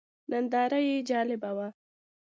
ننداره یې جالبه وه.